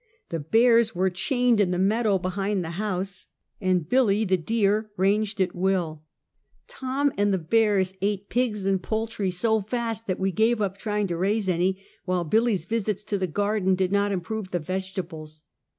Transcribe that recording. The bears were chained in the meadow behind the house and Billy, the deer, ranged at will. Tom and the bears 76 Half a Centuet. ate pigs and poultry so fast that we gave up trying to raise any, while Billy's visits to the garden did not improve the vegetables.